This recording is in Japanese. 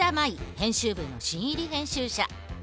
編集部の新入り編集者。